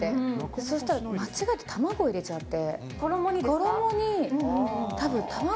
そうしたら間違えて卵入れちゃって。